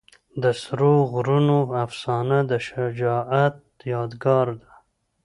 د سرو غرونو افسانه د شجاعت یادګار ده.